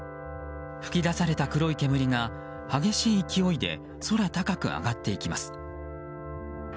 噴き出された黒い煙が激しい勢いで空高く上がっていきます。